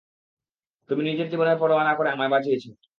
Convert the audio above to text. তুমি নিজের জীবনের পরোয়া না করে আমায় বাঁচিয়েছ।